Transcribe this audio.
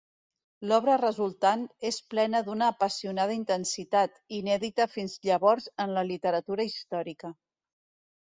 L'obra resultant és plena d'una apassionada intensitat, inèdita fins llavors en la literatura històrica.